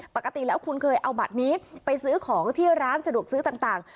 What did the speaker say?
ปกติแล้วคุณเคยเอาบัตรนี้ไปซื้อของที่ร้านสะดวกซื้อต่าง